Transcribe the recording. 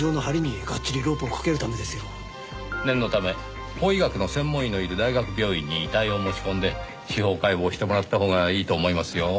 念のため法医学の専門医のいる大学病院に遺体を持ち込んで司法解剖してもらったほうがいいと思いますよ。